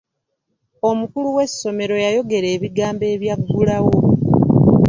Omukulu w'essomero yayogera ebigambo ebyaggulawo.